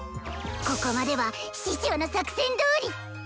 ここまでは師匠の作戦どおり！